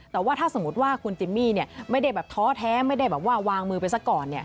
แต่ว่าถ้าสมมติว่าคุณจิมมี่เนี่ยไม่ได้แบบท้อแท้ไม่ได้วางมือไปซะก่อนเนี่ย